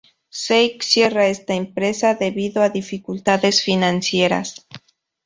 Sake cierra esta empresa debido a dificultades financieras.